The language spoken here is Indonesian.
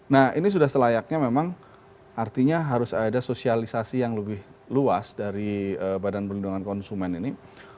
nah ini sudah selayaknya memang artinya harus ada sosialisasi yang lebih luas dari badan perlindungan konsumen ini